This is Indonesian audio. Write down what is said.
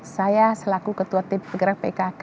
saya selaku ketua tim pegerak pkk